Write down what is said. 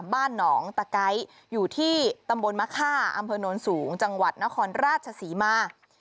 บ้านหนองตะไก๊อยู่ที่ตำบลมะค่าอำเภอโน้นสูงจังหวัดนครราชศรีมา